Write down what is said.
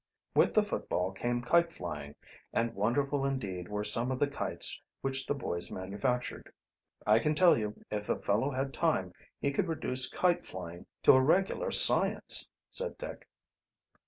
With the football came kite flying, and wonderful indeed were some of the kites which the boys manufactured. "I can tell you, if a fellow had time he could reduce kite flying to a regular science," said Dick.